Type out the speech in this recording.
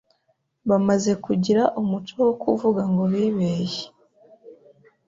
bamaze kugira umuco wo kuvuga ngo bibeshye